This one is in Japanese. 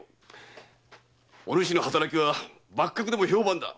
おぬしの働きは幕閣でも評判だ。